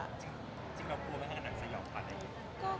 จริงแล้วกลัวเป็นกับนักสยองกว่าไหน